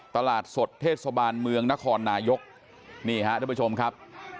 ตลาดสดเทศบาลเมืองนครนายกนี่ฮะท่านผู้ชมครับ